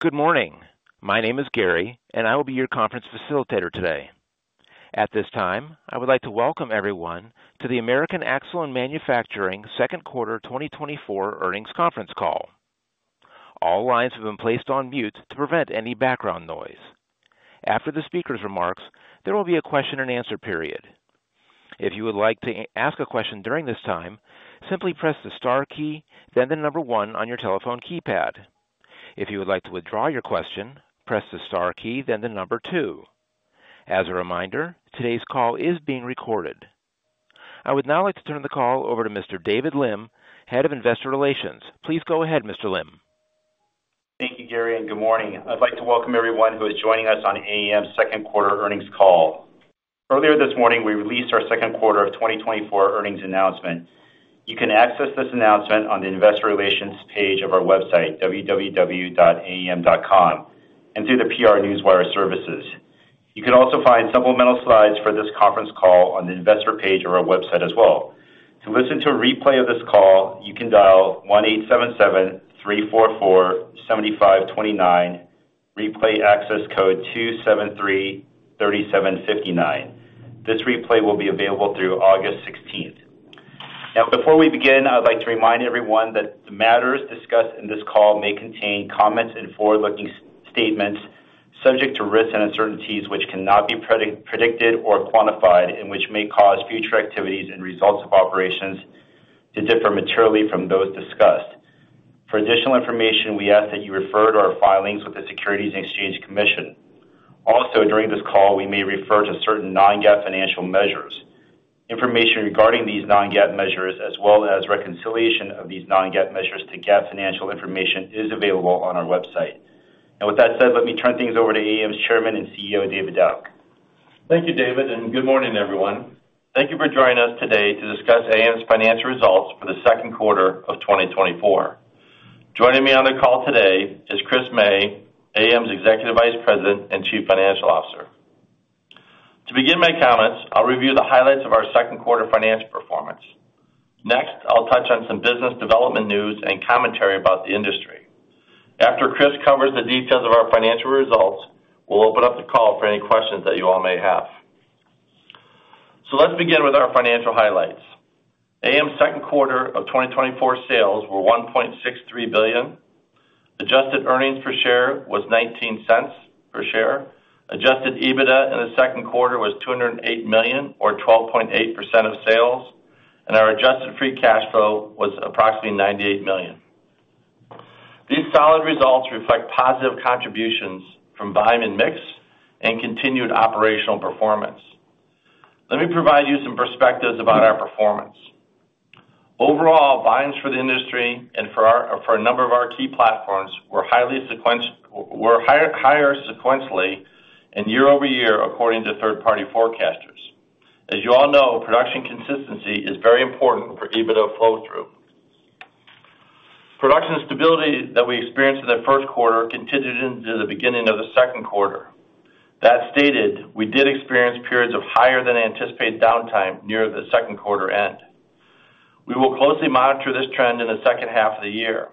Good morning. My name is Gary, and I will be your conference facilitator today. At this time, I would like to welcome everyone to the American Axle & Manufacturing Second Quarter 2024 Earnings Conference Call. All lines have been placed on mute to prevent any background noise. After the speaker's remarks, there will be a question-and-answer period. If you would like to ask a question during this time, simply press the star key, then the number one on your telephone keypad. If you would like to withdraw your question, press the star key, then the number two. As a reminder, today's call is being recorded. I would now like to turn the call over to Mr. David Lim, Head of Investor Relations. Please go ahead, Mr. Lim. Thank you, Gary, and good morning. I'd like to welcome everyone who is joining us on AAM's second quarter earnings call. Earlier this morning, we released our second quarter of 2024 earnings announcement. You can access this announcement on the investor relations page of our website, www.aam.com, and through the PR Newswire services. You can also find supplemental slides for this conference call on the investor page of our website as well. To listen to a replay of this call, you can dial 1-877-344-7529, replay access code 273-3759. This replay will be available through August sixteenth. Now, before we begin, I would like to remind everyone that the matters discussed in this call may contain comments and forward-looking statements subject to risks and uncertainties, which cannot be predicted or quantified and which may cause future activities and results of operations to differ materially from those discussed. For additional information, we ask that you refer to our filings with the Securities and Exchange Commission. Also, during this call, we may refer to certain non-GAAP financial measures. Information regarding these non-GAAP measures, as well as reconciliation of these non-GAAP measures to GAAP financial information, is available on our website. And with that said, let me turn things over to AAM's Chairman and CEO, David Dauch. Thank you, David, and good morning, everyone. Thank you for joining us today to discuss AAM's financial results for the second quarter of 2024. Joining me on the call today is Chris May, AAM's Executive Vice President and Chief Financial Officer. To begin my comments, I'll review the highlights of our second quarter financial performance. Next, I'll touch on some business development news and commentary about the industry. After Chris covers the details of our financial results, we'll open up the call for any questions that you all may have. So let's begin with our financial highlights. AAM's second quarter of 2024 sales were $1.63 billion. Adjusted earnings per share was $0.19 per share. Adjusted EBITDA in the second quarter was $208 million, or 12.8% of sales, and our adjusted free cash flow was approximately $98 million. These solid results reflect positive contributions from volume and mix and continued operational performance. Let me provide you some perspectives about our performance. Overall, volumes for the industry and for a number of our key platforms were higher sequentially and year-over-year, according to third-party forecasters. As you all know, production consistency is very important for EBITDA flow-through. Production stability that we experienced in the first quarter continued into the beginning of the second quarter. That stated, we did experience periods of higher than anticipated downtime near the second quarter end. We will closely monitor this trend in the second half of the year.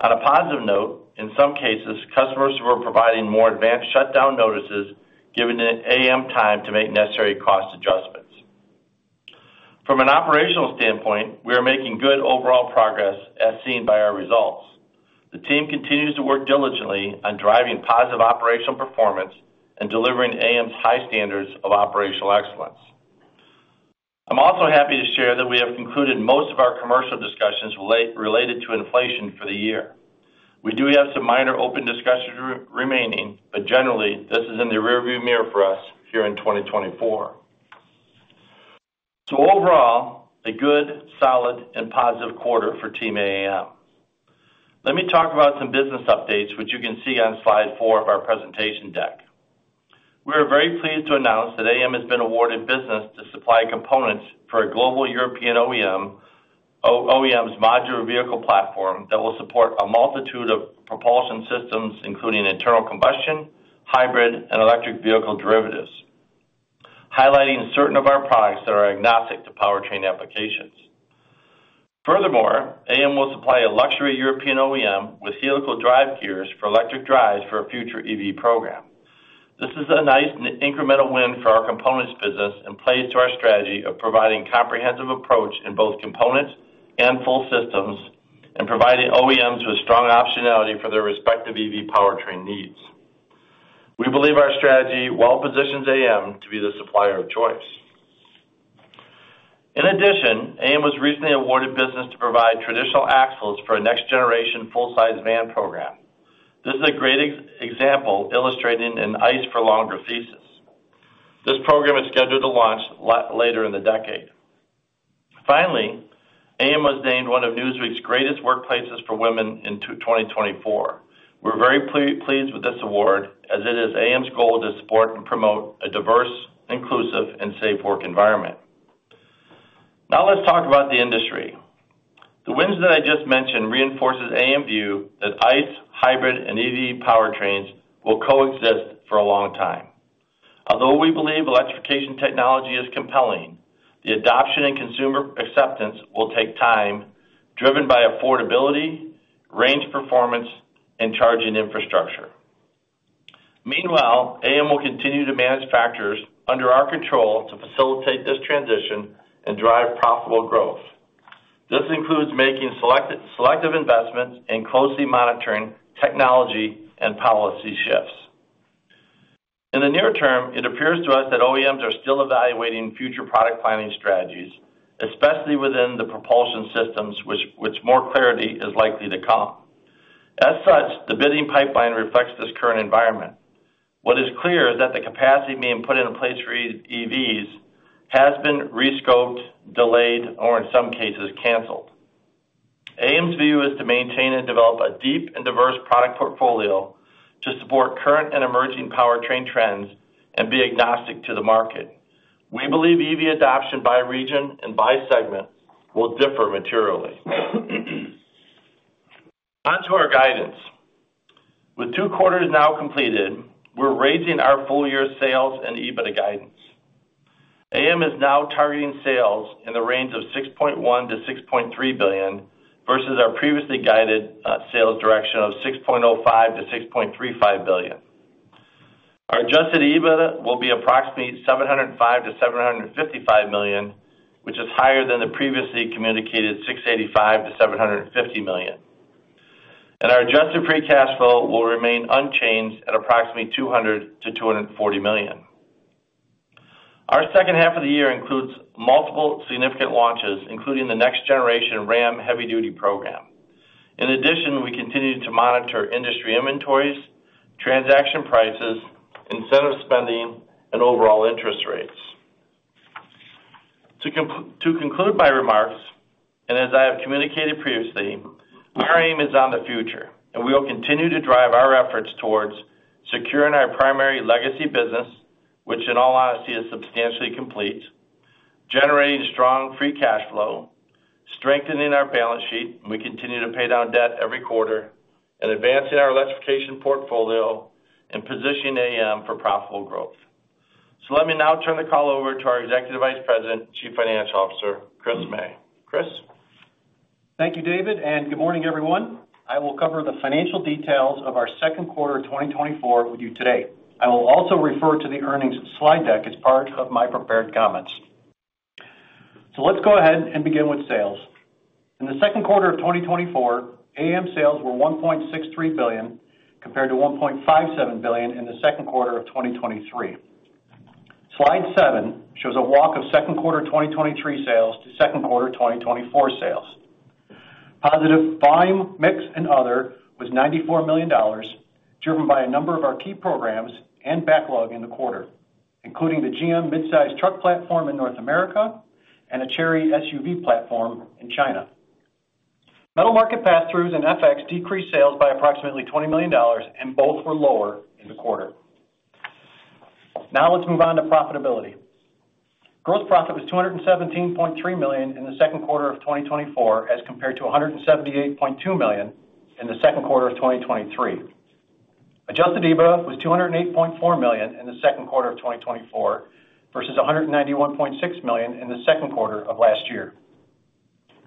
On a positive note, in some cases, customers were providing more advanced shutdown notices, giving the AAM time to make necessary cost adjustments. From an operational standpoint, we are making good overall progress, as seen by our results. The team continues to work diligently on driving positive operational performance and delivering AAM's high standards of operational excellence. I'm also happy to share that we have concluded most of our commercial discussions related to inflation for the year. We do have some minor open discussions remaining, but generally, this is in the rearview mirror for us here in 2024. So overall, a good, solid, and positive quarter for Team AAM. Let me talk about some business updates, which you can see on slide 4 of our presentation deck. We are very pleased to announce that AAM has been awarded business to supply components for a global European OEM's modular vehicle platform that will support a multitude of propulsion systems, including internal combustion, hybrid, and electric vehicle derivatives, highlighting certain of our products that are agnostic to powertrain applications. Furthermore, AAM will supply a luxury European OEM with helical drive gears for electric drives for a future EV program. This is a nice incremental win for our components business and plays to our strategy of providing comprehensive approach in both components and full systems, and providing OEMs with strong optionality for their respective EV powertrain needs. We believe our strategy well positions AAM to be the supplier of choice. In addition, AAM was recently awarded business to provide traditional axles for a next-generation full-size van program. This is a great example illustrating an ICE-for-longer thesis. This program is scheduled to launch later in the decade. Finally, AAM was named one of Newsweek's Greatest Workplaces for Women in 2024. We're very pleased with this award, as it is AAM's goal to support and promote a diverse, inclusive, and safe work environment. Now, let's talk about the industry. The wins that I just mentioned reinforces AAM view that ICE, hybrid, and EV powertrains will coexist for a long time... Although we believe electrification technology is compelling, the adoption and consumer acceptance will take time, driven by affordability, range performance, and charging infrastructure. Meanwhile, AAM will continue to manage factors under our control to facilitate this transition and drive profitable growth. This includes making selective investments and closely monitoring technology and policy shifts. In the near term, it appears to us that OEMs are still evaluating future product planning strategies, especially within the propulsion systems, which more clarity is likely to come. As such, the bidding pipeline reflects this current environment. What is clear is that the capacity being put into place for EVs has been rescoped, delayed, or in some cases, canceled. AAM's view is to maintain and develop a deep and diverse product portfolio to support current and emerging powertrain trends and be agnostic to the market. We believe EV adoption by region and by segment will differ materially. On to our guidance. With two quarters now completed, we're raising our full-year sales and EBITDA guidance. AAM is now targeting sales in the range of $6.1 billion-$6.3 billion, versus our previously guided sales direction of $6.05 billion-$6.35 billion. Our Adjusted EBITDA will be approximately $705 million-$755 million, which is higher than the previously communicated $685 million-$750 million. And our adjusted free cash flow will remain unchanged at approximately $200 million-$240 million. Our second half of the year includes multiple significant launches, including the next generation Ram heavy-duty program. In addition, we continue to monitor industry inventories, transaction prices, incentive spending, and overall interest rates. To conclude my remarks, and as I have communicated previously, our aim is on the future, and we will continue to drive our efforts towards securing our primary legacy business, which in all honesty, is substantially complete, generating strong free cash flow, strengthening our balance sheet, and we continue to pay down debt every quarter, and advancing our electrification portfolio, and positioning AM for profitable growth. So let me now turn the call over to our Executive Vice President, Chief Financial Officer, Chris May. Chris? Thank you, David, and good morning, everyone. I will cover the financial details of our second quarter of 2024 with you today. I will also refer to the earnings slide deck as part of my prepared comments. So let's go ahead and begin with sales. In the second quarter of 2024, AAM sales were $1.63 billion, compared to $1.57 billion in the second quarter of 2023. Slide 7 shows a walk of second quarter 2023 sales to second quarter 2024 sales. Positive volume, mix, and other was $94 million, driven by a number of our key programs and backlog in the quarter, including the GM mid-size truck platform in North America and a Chery SUV platform in China. Metal market pass-throughs and FX decreased sales by approximately $20 million, and both were lower in the quarter. Now, let's move on to profitability. Gross profit was $217.3 million in the second quarter of 2024, as compared to $178.2 million in the second quarter of 2023. Adjusted EBITDA was $208.4 million in the second quarter of 2024, versus $191.6 million in the second quarter of last year.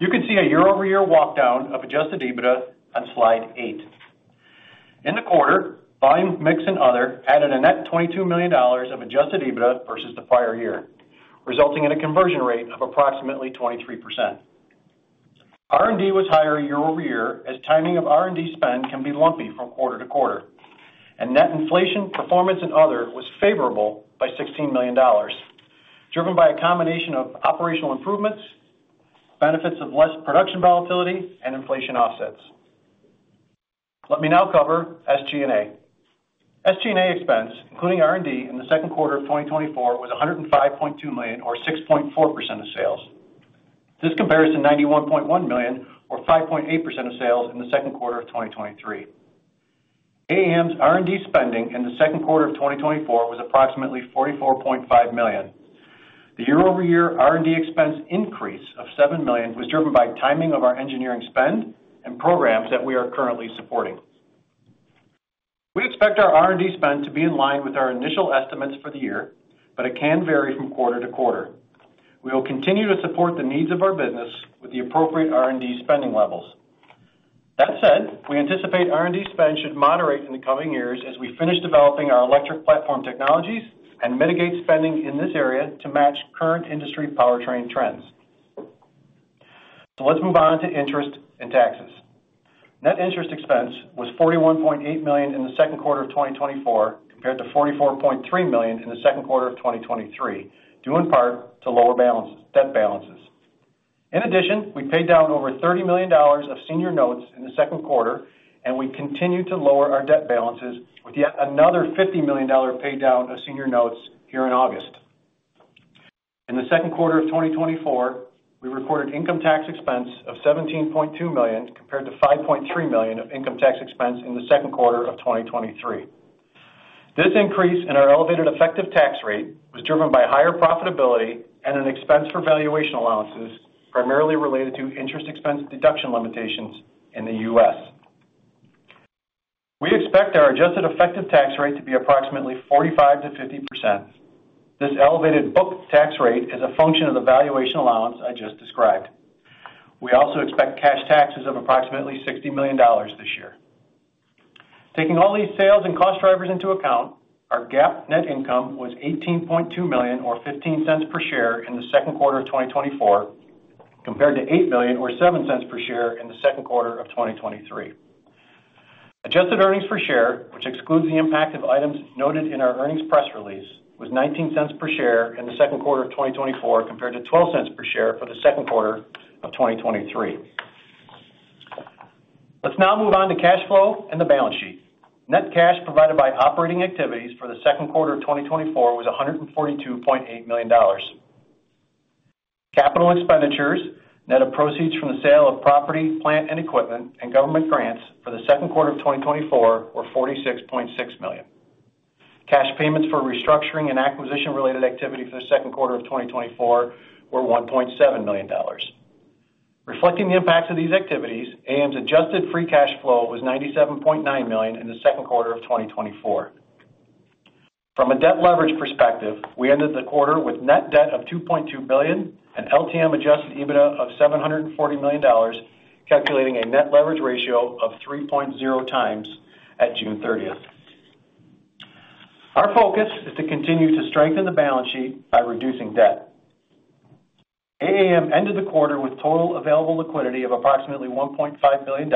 You can see a year-over-year walkdown of adjusted EBITDA on Slide 8. In the quarter, volume, mix, and other added a net $22 million of adjusted EBITDA versus the prior year, resulting in a conversion rate of approximately 23%. R&D was higher year-over-year, as timing of R&D spend can be lumpy from quarter to quarter, and net inflation, performance, and other was favorable by $16 million, driven by a combination of operational improvements, benefits of less production volatility, and inflation offsets. Let me now cover SG&A. SG&A expense, including R&D, in the second quarter of 2024, was $105.2 million, or 6.4% of sales. This compares to $91.1 million or 5.8% of sales in the second quarter of 2023. AAM's R&D spending in the second quarter of 2024 was approximately $44.5 million. The year-over-year R&D expense increase of $7 million was driven by timing of our engineering spend and programs that we are currently supporting. We expect our R&D spend to be in line with our initial estimates for the year, but it can vary from quarter to quarter. We will continue to support the needs of our business with the appropriate R&D spending levels. That said, we anticipate R&D spend should moderate in the coming years as we finish developing our electric platform technologies and mitigate spending in this area to match current industry powertrain trends. So let's move on to interest and taxes. Net interest expense was $41.8 million in the second quarter of 2024, compared to $44.3 million in the second quarter of 2023, due in part to lower debt balances. In addition, we paid down over $30 million of senior notes in the second quarter, and we continued to lower our debt balances with yet another $50 million pay down of senior notes here in August. In the second quarter of 2024, we recorded income tax expense of $17.2 million, compared to $5.3 million of income tax expense in the second quarter of 2023. This increase in our elevated effective tax rate was driven by higher profitability and an expense for valuation allowances, primarily related to interest expense deduction limitations in the U.S.... We expect our adjusted effective tax rate to be approximately 45%-50%. This elevated book tax rate is a function of the valuation allowance I just described. We also expect cash taxes of approximately $60 million this year. Taking all these sales and cost drivers into account, our GAAP net income was $18.2 million, or $0.15 per share in the second quarter of 2024, compared to $8 million or $0.07 per share in the second quarter of 2023. Adjusted earnings per share, which excludes the impact of items noted in our earnings press release, was $0.19 per share in the second quarter of 2024, compared to $0.12 per share for the second quarter of 2023. Let's now move on to cash flow and the balance sheet. Net cash provided by operating activities for the second quarter of 2024 was $142.8 million. Capital expenditures, net of proceeds from the sale of property, plant, and equipment, and government grants for the second quarter of 2024 were $46.6 million. Cash payments for restructuring and acquisition-related activity for the second quarter of 2024 were $1.7 million. Reflecting the impacts of these activities, AAM's adjusted free cash flow was $97.9 million in the second quarter of 2024. From a debt leverage perspective, we ended the quarter with net debt of $2.2 billion and LTM adjusted EBITDA of $740 million, calculating a net leverage ratio of 3.0x at June 30. Our focus is to continue to strengthen the balance sheet by reducing debt. AAM ended the quarter with total available liquidity of approximately $1.5 billion,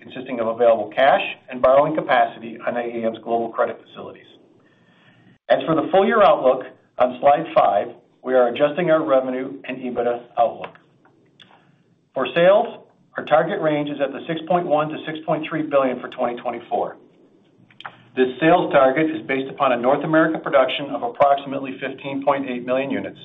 consisting of available cash and borrowing capacity on AAM's global credit facilities. As for the full-year outlook on Slide 5, we are adjusting our revenue and EBITDA outlook. For sales, our target range is at the $6.1 billion-$6.3 billion for 2024. This sales target is based upon a North American production of approximately 15.8 million units.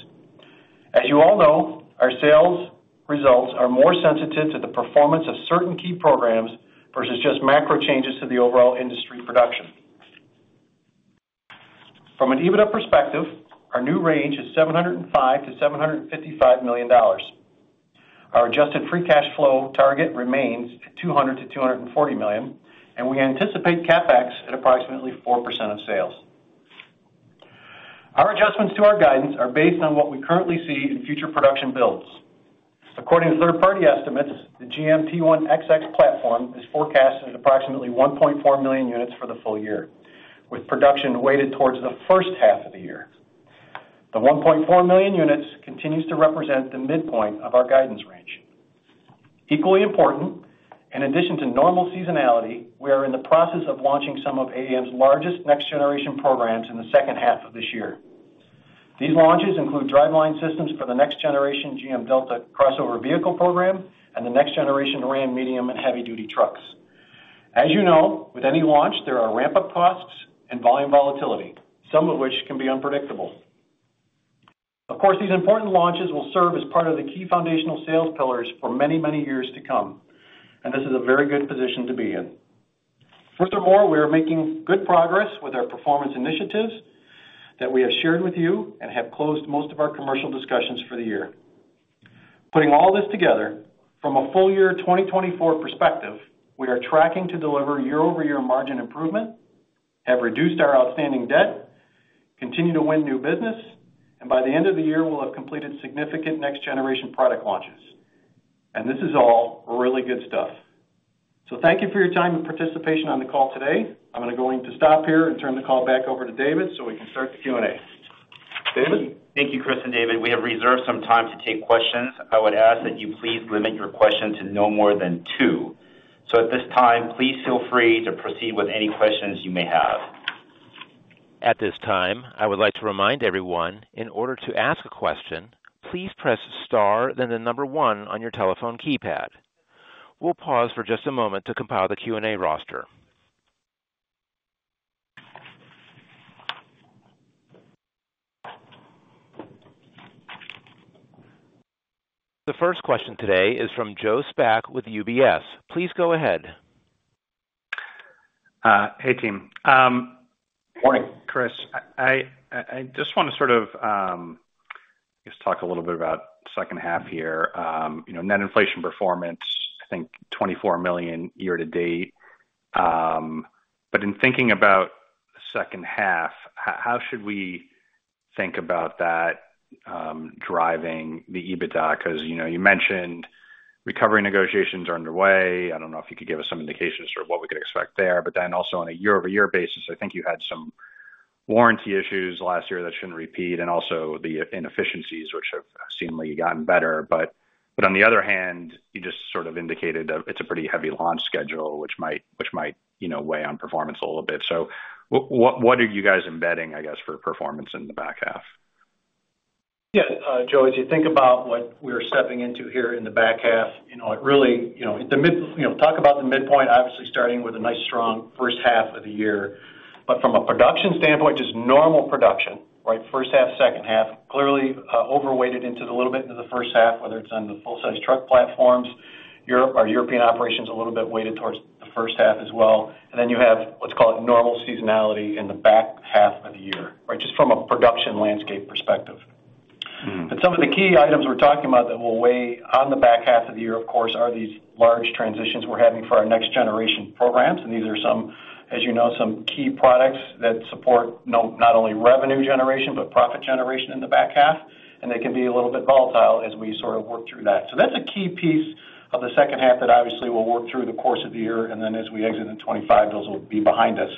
As you all know, our sales results are more sensitive to the performance of certain key programs versus just macro changes to the overall industry production. From an EBITDA perspective, our new range is $705 million-$755 million. Our adjusted free cash flow target remains at $200 million-$240 million, and we anticipate CapEx at approximately 4% of sales. Our adjustments to our guidance are based on what we currently see in future production builds. According to third-party estimates, the GM T1XX platform is forecasted at approximately 1.4 million units for the full year, with production weighted towards the first half of the year. The 1.4 million units continues to represent the midpoint of our guidance range. Equally important, in addition to normal seasonality, we are in the process of launching some of AAM's largest next-generation programs in the second half of this year. These launches include driveline systems for the next-generation GM Delta Crossover vehicle program and the next-generation Ram medium and heavy-duty trucks. As you know, with any launch, there are ramp-up costs and volume volatility, some of which can be unpredictable. Of course, these important launches will serve as part of the key foundational sales pillars for many, many years to come, and this is a very good position to be in. Furthermore, we are making good progress with our performance initiatives that we have shared with you and have closed most of our commercial discussions for the year. Putting all this together, from a full-year 2024 perspective, we are tracking to deliver year-over-year margin improvement, have reduced our outstanding debt, continue to win new business, and by the end of the year, we'll have completed significant next-generation product launches. And this is all really good stuff. So thank you for your time and participation on the call today. I'm going to stop here and turn the call back over to David, so we can start the Q&A. David? Thank you, Chris and David. We have reserved some time to take questions. I would ask that you please limit your questions to no more than two. At this time, please feel free to proceed with any questions you may have. At this time, I would like to remind everyone, in order to ask a question, please press star, then the number one on your telephone keypad. We'll pause for just a moment to compile the Q&A roster. The first question today is from Joe Spak with UBS. Please go ahead. Hey, team. Morning. Chris, I just wanna sort of just talk a little bit about second half here. You know, net inflation performance, I think $24 million year to date. But in thinking about the second half, how should we think about that driving the EBITDA? 'Cause, you know, you mentioned recovery negotiations are underway. I don't know if you could give us some indications for what we could expect there, but then also on a year-over-year basis, I think you had some warranty issues last year that shouldn't repeat, and also the inefficiencies, which have seemingly gotten better. But on the other hand, you just sort of indicated that it's a pretty heavy launch schedule, which might, you know, weigh on performance a little bit. So what are you guys embedding, I guess, for performance in the back half? Yeah, Joe, as you think about what we're stepping into here in the back half, you know, it really, you know, talk about the midpoint, obviously, starting with a nice, strong first half of the year. But from a production standpoint, just normal production, right? First half, second half, clearly, overweighted into the little bit into the first half, whether it's on the full-size truck platforms. Europe. Our European operations, a little bit weighted towards the first half as well. And then you have what's called normal seasonality in the back half of the year, right? Just from a production landscape perspective. But some of the key items we're talking about that will weigh on the back half of the year, of course, are these large transitions we're having for our next generation programs. And these are some, as you know, some key products that support not only revenue generation, but profit generation in the back half, and they can be a little bit volatile as we sort of work through that. So that's a key piece of the second half that obviously will work through the course of the year, and then as we exit in 2025, those will be behind us.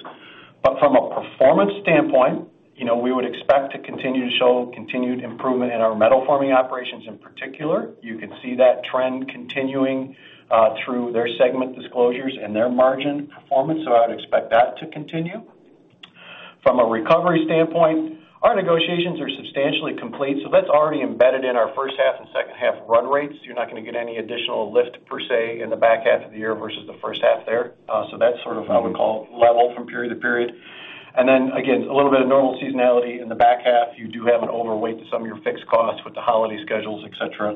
But from a performance standpoint, you know, we would expect to continue to show continued improvement in our metal forming operations, in particular. You can see that trend continuing through their segment disclosures and their margin performance, so I would expect that to continue. From a recovery standpoint, our negotiations are substantially complete, so that's already embedded in our first half and second half run rates. You're not gonna get any additional lift per se in the back half of the year versus the first half there. So that's sort of, I would call, level from period to period. And then again, a little bit of normal seasonality in the back half. You do have an overweight to some of your fixed costs with the holiday schedules, et cetera,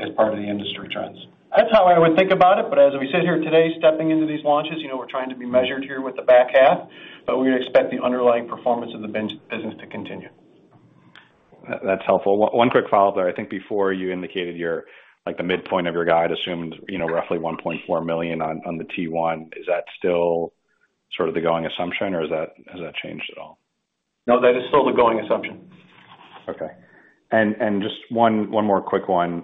as part of the industry trends. That's how I would think about it, but as we sit here today, stepping into these launches, you know, we're trying to be measured here with the back half, but we expect the underlying performance of the bench business to continue. That's helpful. One quick follow up there. I think before you indicated your, like, the midpoint of your guide assumes, you know, roughly 1.4 million on the T1. Is that still sort of the going assumption, or is that, has that changed at all? No, that is still the going assumption. Okay. Just one more quick one.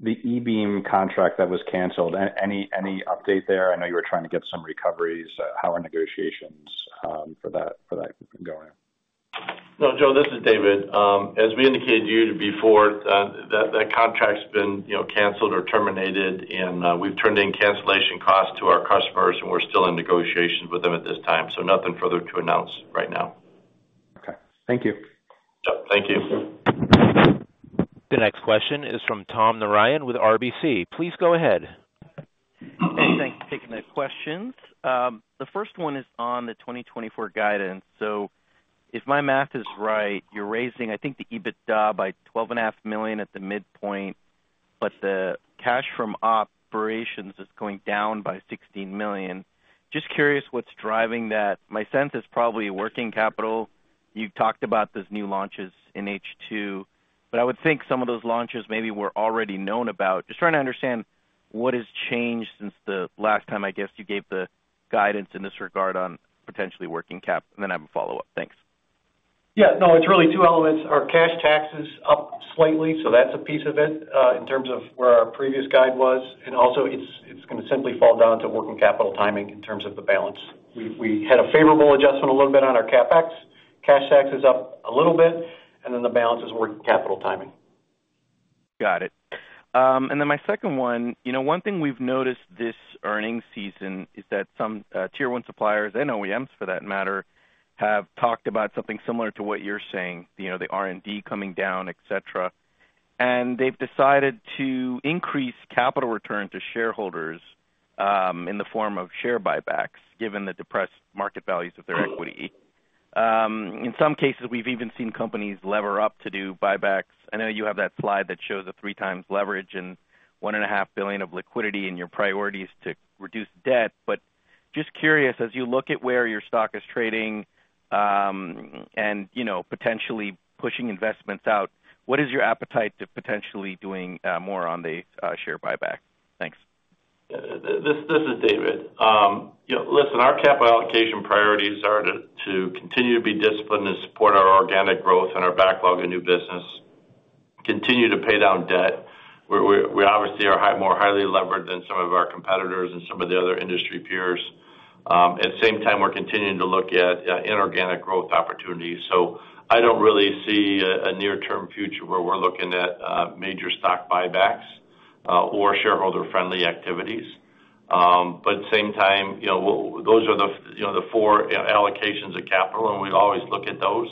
The e-Beam contract that was canceled, any update there? I know you were trying to get some recoveries. How are negotiations for that going? No, Joe, this is David. As we indicated to you before, that contract's been, you know, canceled or terminated, and we've turned in cancellation costs to our customers, and we're still in negotiations with them at this time. So nothing further to announce right now. Okay. Thank you. Thank you. The next question is from Tom Narayan with RBC. Please go ahead. Hey, thanks for taking the questions. The first one is on the 2024 guidance. So if my math is right, you're raising, I think, the EBITDA by $12.5 million at the midpoint, but the cash from operations is going down by $16 million. Just curious, what's driving that? My sense is probably working capital. You've talked about those new launches in H2, but I would think some of those launches maybe were already known about. Just trying to understand what has changed since the last time, I guess, you gave the guidance in this regard on potentially working cap, and then I have a follow-up. Thanks. Yeah. No, it's really two elements. Our cash tax is up slightly, so that's a piece of it in terms of where our previous guide was, and also it's gonna simply fall down to working capital timing in terms of the balance. We had a favorable adjustment a little bit on our CapEx. Cash tax is up a little bit, and then the balance is working capital timing. Got it. And then my second one, you know, one thing we've noticed this earnings season is that some tier one suppliers and OEMs, for that matter, have talked about something similar to what you're saying, you know, the R&D coming down, et cetera. And they've decided to increase capital return to shareholders in the form of share buybacks, given the depressed market values of their equity. In some cases, we've even seen companies lever up to do buybacks. I know you have that slide that shows a 3x leverage and $1.5 billion of liquidity in your priorities to reduce debt. But just curious, as you look at where your stock is trading, and you know, potentially pushing investments out, what is your appetite to potentially doing more on the share buyback? Thanks. This is David. You know, listen, our capital allocation priorities are to continue to be disciplined and support our organic growth and our backlog of new business, continue to pay down debt. We're obviously more highly leveraged than some of our competitors and some of the other industry peers. At the same time, we're continuing to look at inorganic growth opportunities. So I don't really see a near-term future where we're looking at major stock buybacks or shareholder-friendly activities. But at the same time, you know, those are the four allocations of capital, and we always look at those,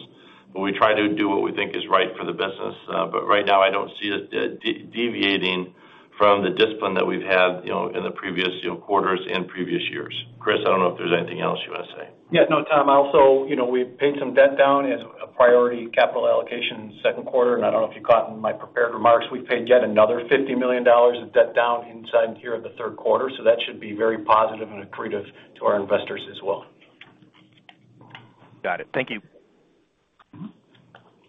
but we try to do what we think is right for the business. But right now, I don't see it deviating from the discipline that we've had, you know, in the previous, you know, quarters and previous years. Chris, I don't know if there's anything else you want to say. Yeah. No, Tom, also, you know, we've paid some debt down as a priority capital allocation in the second quarter, and I don't know if you caught in my prepared remarks, we paid yet another $50 million of debt down inside here in the third quarter, so that should be very positive and accretive to our investors as well. Got it. Thank you.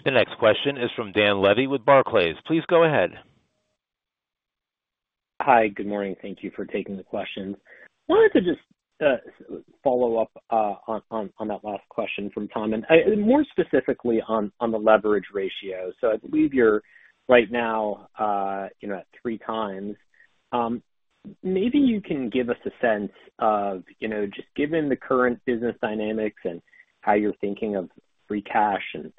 The next question is from Dan Levy with Barclays. Please go ahead. Hi, good morning. Thank you for taking the questions. Wanted to just follow up on that last question from Tom, and more specifically on the leverage ratio. So I believe you're right now, you know, at 3x. Maybe you can give us a sense of, you know, just given the current business dynamics and how you're thinking of free cash and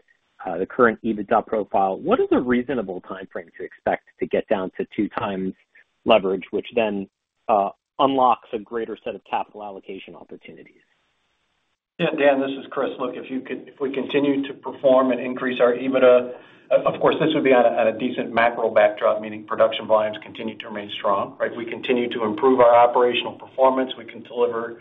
the current EBITDA profile, what is a reasonable timeframe to expect to get down to 2x leverage, which then unlocks a greater set of capital allocation opportunities? Yeah, Dan, this is Chris. Look, if we continue to perform and increase our EBITDA, of course, this would be on a decent macro backdrop, meaning production volumes continue to remain strong, right? We continue to improve our operational performance. We can deliver,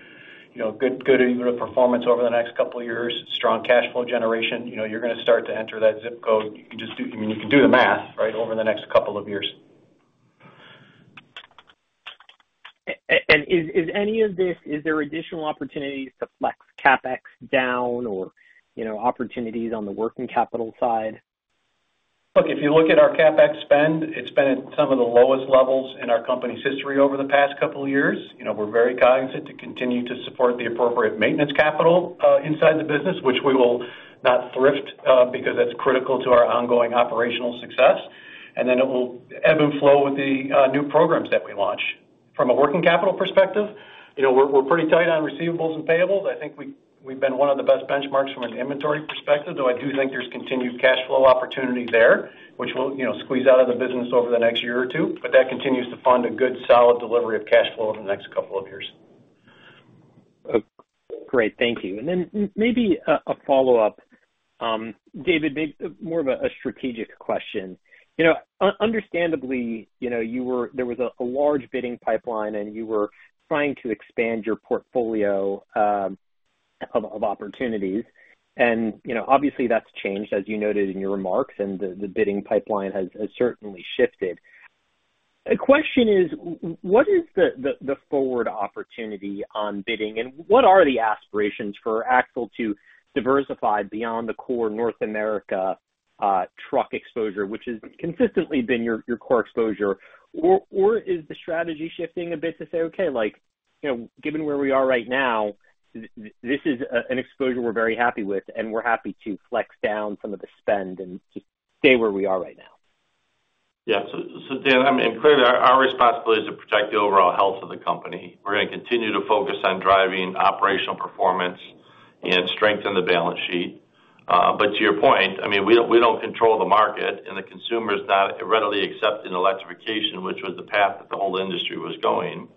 you know, good, good EBITDA performance over the next couple of years, strong cash flow generation. You know, you're gonna start to enter that zip code. You can just, I mean, do the math, right, over the next couple of years. And is any of this, is there additional opportunities to flex CapEx down or, you know, opportunities on the working capital side? Look, if you look at our CapEx spend, it's been at some of the lowest levels in our company's history over the past couple of years. You know, we're very cognizant to continue to support the appropriate maintenance capital inside the business, which we will not thrift, because that's critical to our ongoing operational success, and then it will ebb and flow with the new programs that we launch. From a working capital perspective, you know, we're pretty tight on receivables and payables. I think we've been one of the best benchmarks from an inventory perspective, though I do think there's continued cash flow opportunity there, which we'll, you know, squeeze out of the business over the next year or two. But that continues to fund a good, solid delivery of cash flow over the next couple of years. Great. Thank you. And then maybe a follow-up. David, more of a strategic question. You know, understandably, you know, there was a large bidding pipeline, and you were trying to expand your portfolio of opportunities. And, you know, obviously, that's changed, as you noted in your remarks, and the bidding pipeline has certainly shifted. The question is: what is the forward opportunity on bidding, and what are the aspirations for AAM to diversify beyond the core North America truck exposure, which has consistently been your core exposure? Or is the strategy shifting a bit to say, "Okay, like, you know, given where we are right now, this is an exposure we're very happy with, and we're happy to flex down some of the spend and just stay where we are right now? Yeah. So, so Dan, I mean, clearly, our, our responsibility is to protect the overall health of the company. We're gonna continue to focus on driving operational performance and strengthen the balance sheet. But to your point, I mean, we don't, we don't control the market, and the consumer is not readily accepting electrification, which was the path that the whole industry was going,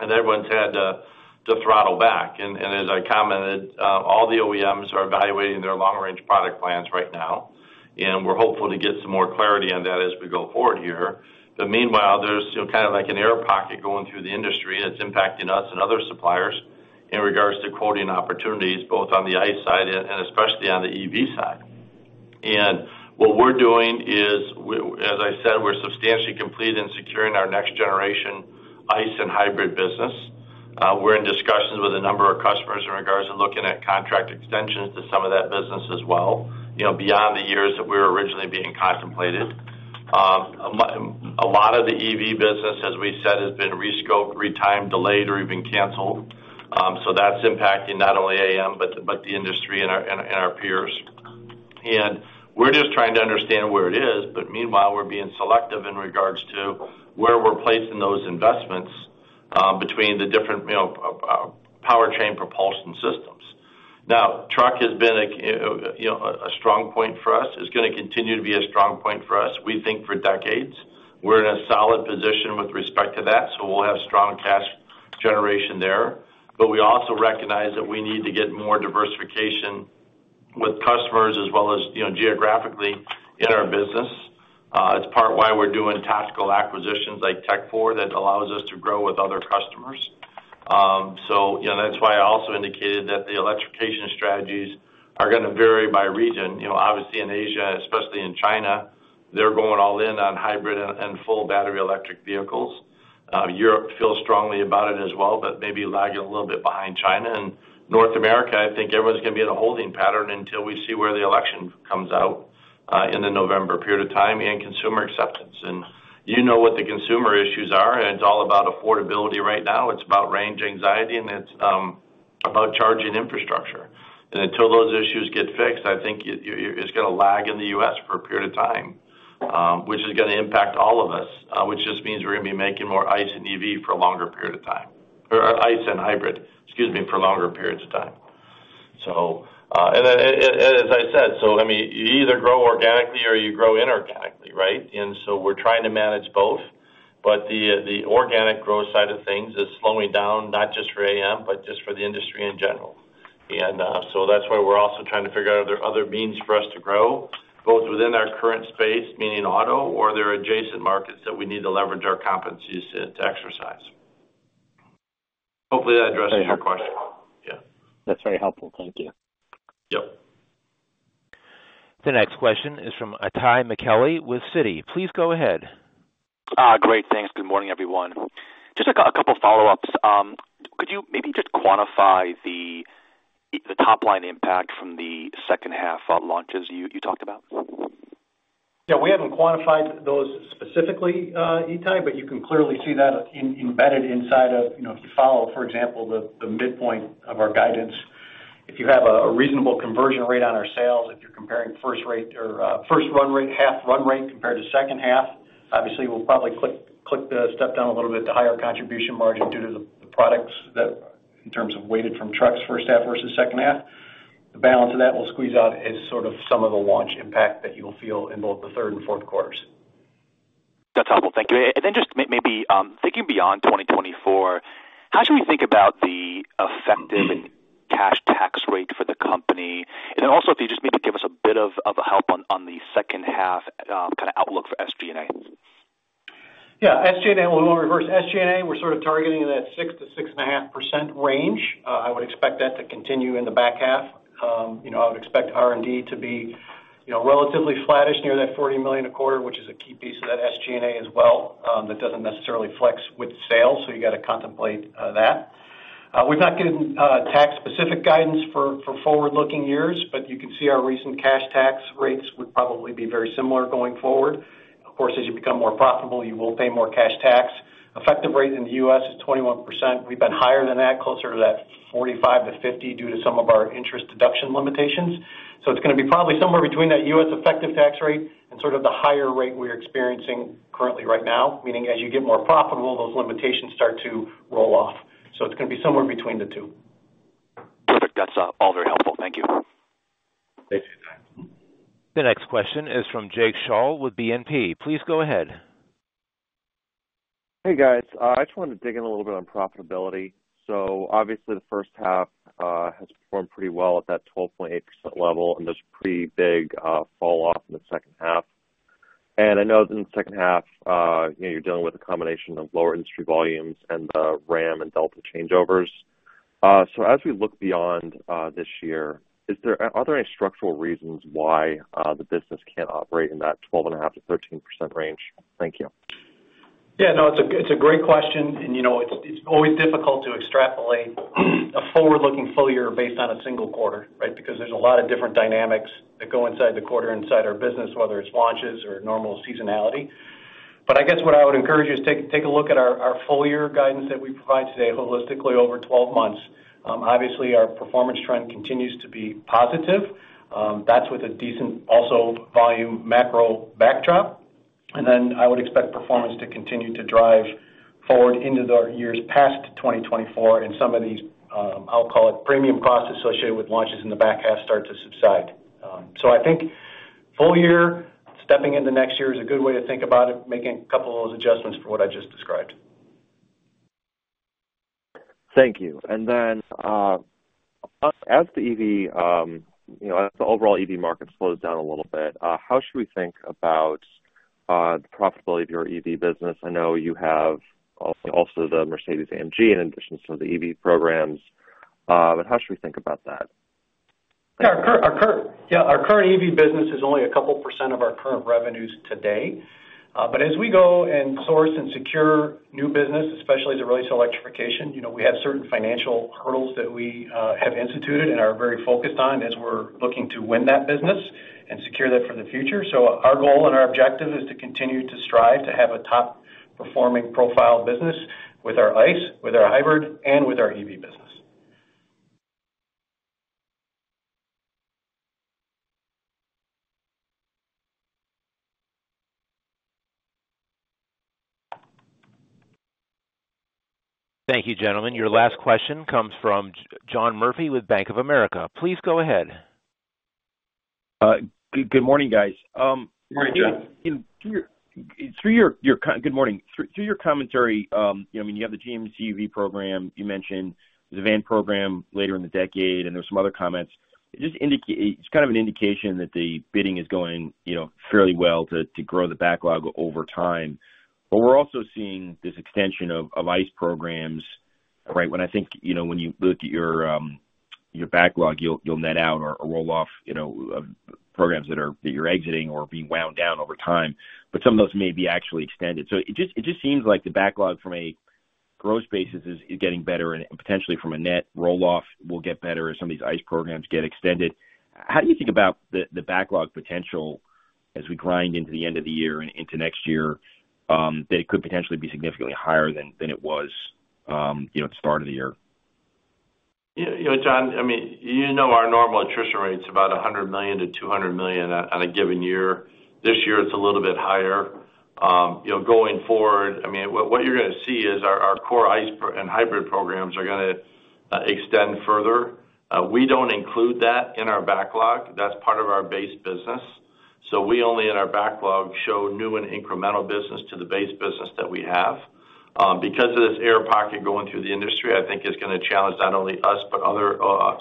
and everyone's had to, to throttle back. And as I commented, all the OEMs are evaluating their long-range product plans right now, and we're hopeful to get some more clarity on that as we go forward here. But meanwhile, there's, you know, kind of like an air pocket going through the industry, and it's impacting us and other suppliers in regards to quoting opportunities, both on the ICE side and, and especially on the EV side. What we're doing is as I said, we're substantially complete in securing our next generation ICE and hybrid business. We're in discussions with a number of customers in regards to looking at contract extensions to some of that business as well, you know, beyond the years that we were originally being contemplated. A lot of the EV business, as we said, has been re-scoped, re-timed, delayed, or even canceled. So that's impacting not only AAM, but the industry and our peers. And we're just trying to understand where it is, but meanwhile, we're being selective in regards to where we're placing those investments between the different, you know, powertrain propulsion systems. Now, truck has been a strong point for us. It's gonna continue to be a strong point for us, we think, for decades. We're in a solid position with respect to that, so we'll have strong cash generation there. But we also recognize that we need to get more diversification with customers as well as, you know, geographically in our business. It's part why we're doing tactical acquisitions like Tekfor, that allows us to grow with other customers. So, you know, that's why I also indicated that the electrification strategies are gonna vary by region. You know, obviously in Asia, especially in China, they're going all in on hybrid and full battery electric vehicles. Europe feels strongly about it as well, but maybe lagging a little bit behind China. North America, I think everyone's gonna be in a holding pattern until we see where the election comes out in the November period of time and consumer acceptance. You know what the consumer issues are, and it's all about affordability right now. It's about range anxiety, and it's about charging infrastructure. Until those issues get fixed, I think it's gonna lag in the US for a period of time, which is gonna impact all of us, which just means we're gonna be making more ICE and EV for a longer period of time, or ICE and hybrid, excuse me, for longer periods of time. So, as I said, I mean, you either grow organically or you grow inorganically, right? We're trying to manage both. But the organic growth side of things is slowing down, not just for AAM, but just for the industry in general. And so that's why we're also trying to figure out, are there other means for us to grow, both within our current space, meaning auto, or there are adjacent markets that we need to leverage our competencies to exercise. Hopefully, that addresses your question. Yeah. That's very helpful. Thank you. Yep. The next question is from Itay Michaeli with Citi. Please go ahead. Great. Thanks. Good morning, everyone. Just like a couple follow-ups. Could you maybe just quantify the top-line impact from the second half launches you talked about? Yeah, we haven't quantified those specifically, Itay, but you can clearly see that embedded inside of... You know, if you follow, for example, the midpoint of our guidance, if you have a reasonable conversion rate on our sales, if you're comparing first rate or first run rate, half run rate compared to second half, obviously, we'll probably click the step down a little bit to higher contribution margin due to the products that, in terms of weighted from trucks first half versus second half. The balance of that will squeeze out as sort of some of the launch impact that you'll feel in both the third and fourth quarters. That's helpful. Thank you. And then just maybe thinking beyond 2024, how should we think about the effective cash tax rate for the company? And then also, if you just maybe give us a bit of a help on the second half kind of outlook for SG&A. Yeah. SG&A, well, we'll reverse SG&A. We're sort of targeting that 6%-6.5% range. I would expect that to continue in the back half. I would expect R&D to be, you know, relatively flattish near that $40 million a quarter, which is a key piece of that SG&A as well, that doesn't necessarily flex with sales, so you got to contemplate that. We've not given tax-specific guidance for forward-looking years, but you can see our recent cash tax rates would probably be very similar going forward. Of course, as you become more profitable, you will pay more cash tax. Effective rate in the U.S. is 21%. We've been higher than that, closer to that 45%-50% due to some of our interest deduction limitations. So it's gonna be probably somewhere between that U.S. effective tax rate and sort of the higher rate we're experiencing currently right now, meaning as you get more profitable, those limitations start to roll off. So it's gonna be somewhere between the two. That's all very helpful. Thank you. Thank you, Itay. The next question is from Jake Scholl with BNP. Please go ahead. Hey, guys, I just wanted to dig in a little bit on profitability. So obviously, the first half has performed pretty well at that 12.8% level, and there's a pretty big falloff in the second half. And I know that in the second half, you know, you're dealing with a combination of lower industry volumes and the Ram and Delta changeovers. So as we look beyond this year, are there any structural reasons why the business can't operate in that 12.5%-13% range? Thank you. Yeah, no, it's a great question, and, you know, it's always difficult to extrapolate a forward-looking full year based on a single quarter, right? Because there's a lot of different dynamics that go inside the quarter, inside our business, whether it's launches or normal seasonality. But I guess what I would encourage you is take a look at our full year guidance that we provide today holistically over 12 months. Obviously, our performance trend continues to be positive. That's with a decent, also volume macro backdrop. And then I would expect performance to continue to drive forward into the years past 2024, and some of these, I'll call it premium costs associated with launches in the back half start to subside. I think full year, stepping into next year is a good way to think about it, making a couple of those adjustments from what I just described. Thank you. And then, as the EV, you know, as the overall EV market slows down a little bit, how should we think about the profitability of your EV business? I know you have also the Mercedes-AMG, in addition to the EV programs, but how should we think about that? Yeah, our current EV business is only a couple% of our current revenues today. But as we go and source and secure new business, especially as it relates to electrification, you know, we have certain financial hurdles that we have instituted and are very focused on as we're looking to win that business and secure that for the future. So our goal and our objective is to continue to strive to have a top-performing profile business with our ICE, with our hybrid, and with our EV business. Thank you, gentlemen. Your last question comes from John Murphy with Bank of America. Please go ahead. Good morning, guys. Good morning, John. Good morning. Through your commentary, you know, I mean, you have the GMC EV program. You mentioned the van program later in the decade, and there were some other comments. It just indicates it's kind of an indication that the bidding is going, you know, fairly well to grow the backlog over time. But we're also seeing this extension of ICE programs, right? When I think, you know, when you look at your backlog, you'll net out or roll off, you know, programs that you're exiting or being wound down over time, but some of those may be actually extended. So it just seems like the backlog from a growth basis is getting better and potentially from a net roll-off will get better as some of these ICE programs get extended. How do you think about the backlog potential as we grind into the end of the year and into next year, that it could potentially be significantly higher than it was, you know, at the start of the year? You know, John, I mean, you know our normal attrition rate is about $100 million-$200 million on a given year. This year, it's a little bit higher. You know, going forward, I mean, what you're gonna see is our core ICE and hybrid programs are gonna extend further. We don't include that in our backlog. That's part of our base business. So we only, in our backlog, show new and incremental business to the base business that we have. Because of this air pocket going through the industry, I think it's gonna challenge not only us, but other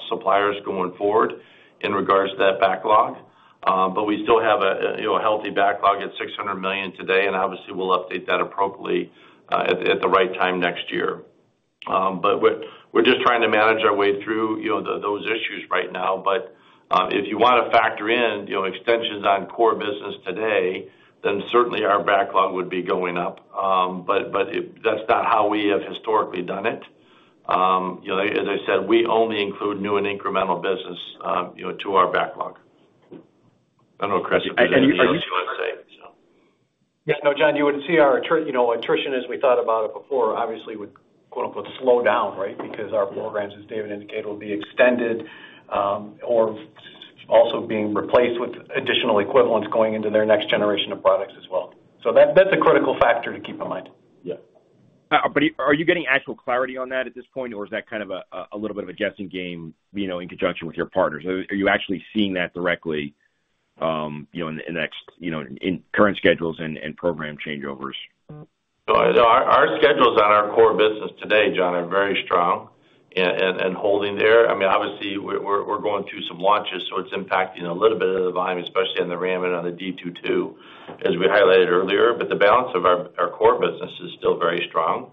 suppliers going forward in regards to that backlog. But we still have a, you know, healthy backlog at $600 million today, and obviously, we'll update that appropriately, at the right time next year. But we're just trying to manage our way through, you know, those issues right now. But if you want to factor in, you know, extensions on core business today, then certainly our backlog would be going up. But it—that's not how we have historically done it. You know, as I said, we only include new and incremental business, you know, to our backlog. I don't know, Chris, if there's anything you want to say, so... Yeah, no, John, you would see our attrition, you know, as we thought about it before, obviously would, quote, unquote, "slow down," right? Because our programs, as David indicated, will be extended, or also being replaced with additional equivalents going into their next generation of products as well. So that, that's a critical factor to keep in mind. Yeah. But are you getting actual clarity on that at this point, or is that kind of a little bit of a guessing game, you know, in conjunction with your partners? Are you actually seeing that directly, you know, in current schedules and program changeovers? So our schedules on our core business today, John, are very strong and holding there. I mean, obviously, we're going through some launches, so it's impacting a little bit of the volume, especially on the Ram and on the D2, too, as we highlighted earlier, but the balance of our core business is still very strong.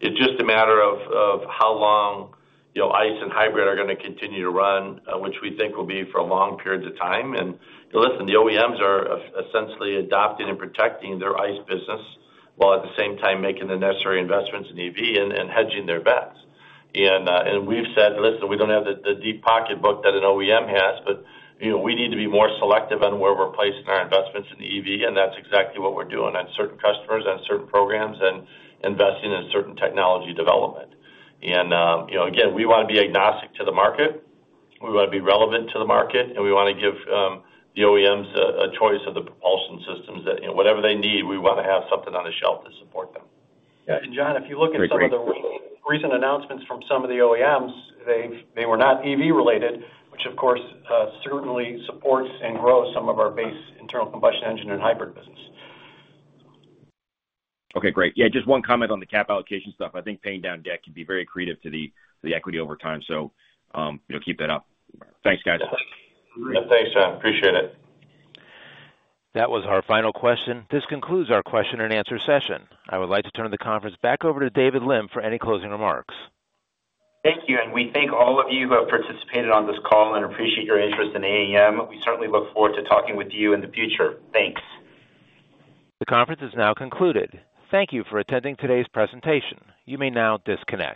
It's just a matter of how long, you know, ICE and hybrid are gonna continue to run, which we think will be for long periods of time. And listen, the OEMs are essentially adopting and protecting their ICE business while at the same time making the necessary investments in EV and hedging their bets. And we've said, "Listen, we don't have the deep pocketbook that an OEM has, but, you know, we need to be more selective on where we're placing our investments in EV," and that's exactly what we're doing on certain customers, on certain programs, and investing in certain technology development. And, you know, again, we want to be agnostic to the market, we want to be relevant to the market, and we want to give the OEMs a choice of the propulsion systems that... You know, whatever they need, we want to have something on the shelf to support them. Yeah, and John, if you look at some of the recent announcements from some of the OEMs, they were not EV-related, which of course certainly supports and grows some of our base internal combustion engine and hybrid business. Okay, great. Yeah, just one comment on the cap allocation stuff. I think paying down debt can be very accretive to the equity over time, so, you know, keep that up. Thanks, guys. Thanks, John. Appreciate it. That was our final question. This concludes our question-and-answer session. I would like to turn the conference back over to David Lim for any closing remarks. Thank you, and we thank all of you who have participated on this call and appreciate your interest in AAM. We certainly look forward to talking with you in the future. Thanks. The conference is now concluded. Thank you for attending today's presentation. You may now disconnect.